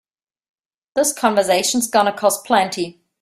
This convention's gonna cost plenty.